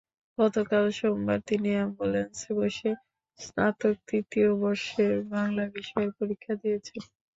গতকাল সোমবার তিনি অ্যাম্বুলেন্সে বসে স্নাতক তৃতীয় বর্ষের বাংলা বিষয়ের পরীক্ষা দিয়েছেন।